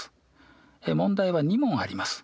問題は２問あります。